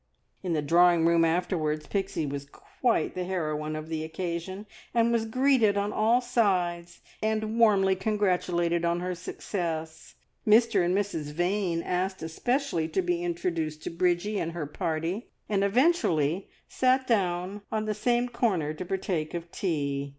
In the drawing room afterwards Pixie was quite the heroine of the occasion, and was greeted on all sides, and warmly congratulated on her success. Mr and Mrs Vane asked especially to be introduced to Bridgie and her party, and eventually sat down an the same corner to partake of tea.